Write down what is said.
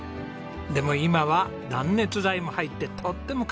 でも今は断熱材も入ってとっても快適なんです。